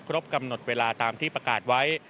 กำหนดเวลาตามที่ประกาศไว้